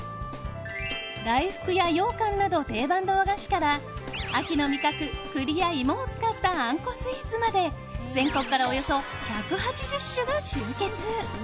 大福や、ようかんなど定番の和菓子から秋の味覚、栗や芋を使ったあんこスイーツまで全国から、およそ１８０種が集結。